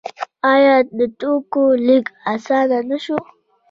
آیا د توکو لیږد اسانه نشو؟